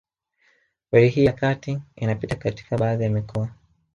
Reli hii ya kati inapita katika baadhi ya mikoa